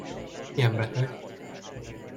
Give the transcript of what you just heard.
Milyen beteg?